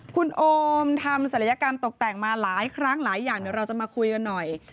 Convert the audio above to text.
คุณโอมทำศัลยกรรมตกแต่งมาหลายครั้งหลายอย่างเดี๋ยวเราจะมาคุยกันหน่อย